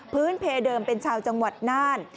เพเดิมเป็นชาวจังหวัดน่าน